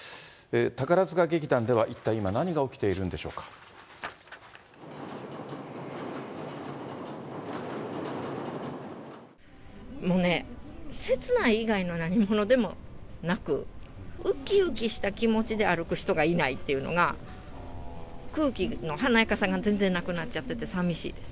宝塚劇団では一体今、何が起きてもうね、切ない以外の何ものでもなく、うきうきした気持ちで歩く人がいないというのが、空気の華やかさが全然なくなっちゃってて寂しいです。